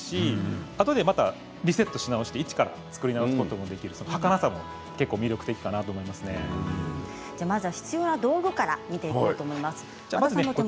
あとでリセットして、一から作り直すことができるはかなさも必要な道具から見ていきましょう。